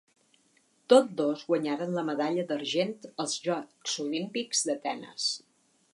Tots dos guanyaren la medalla d'argent als Jocs Olímpics d'Atenes.